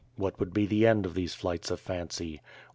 What /ould be the end of these flights of fancy.